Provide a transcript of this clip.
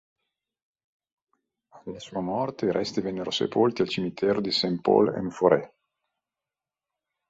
Alla sua morte i resti vennero sepolti al cimitero di Saint-Paul-en-Foret